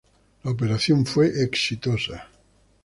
La operación fue exitosa.